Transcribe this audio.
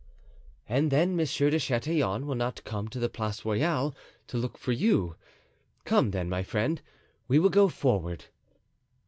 "And then Monsieur de Chatillon will not come to the Place Royale to look for you. Come, then, my friend, we will go forward."